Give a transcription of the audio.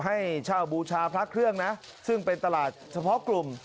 ให้เช่าบูชาพระเครื่องนะซึ่งเป็นตลาดเฉพาะกลุ่ม